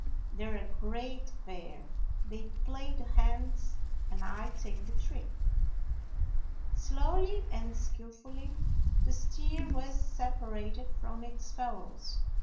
"They're a great pair! They play the hands and I take the trick." Slowly and skilfully the steer was sep arated from its fellows.